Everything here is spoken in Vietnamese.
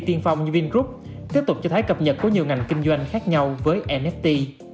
tiên phong như vingroup tiếp tục cho thấy cập nhật của nhiều ngành kinh doanh khác nhau với nett